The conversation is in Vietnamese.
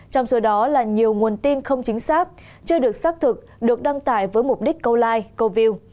trong số đó là nhiều nguồn tin không chính xác chưa được xác thực được đăng tải với mục đích câu like câu view